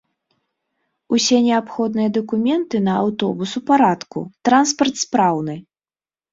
Усе неабходныя дакументы на аўтобус у парадку, транспарт спраўны.